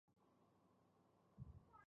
تسلي چا ورکړې وه؟